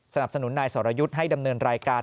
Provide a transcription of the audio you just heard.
สนับสนุนนายสรยุทธ์ให้ดำเนินรายการ